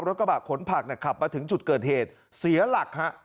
กระบะขนผักขับมาถึงจุดเกิดเหตุเสียหลักฮะ